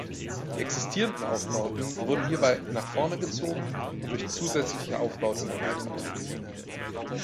Die existierenden Aufbauten wurden hierbei nach vorne gezogen und durch zusätzliche Aufbauten erweitert.